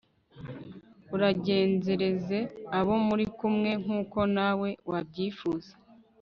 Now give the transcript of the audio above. uragenzereze abo muri kumwe nk'uko na we wabyifuza